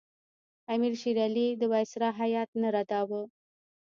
امیر شېر علي د وایسرا هیات نه رداوه.